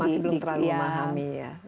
masih belum terlalu memahami ya